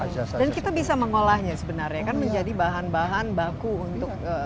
dan kita bisa mengolahnya sebenarnya kan menjadi bahan bahan baku untuk